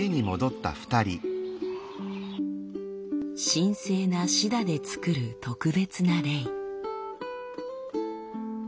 神聖なシダで作る特別なレイ。